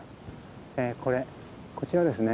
これこちらですね